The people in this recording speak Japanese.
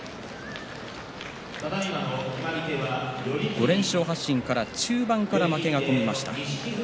５連勝発進から中盤から負けが込みました琴恵光。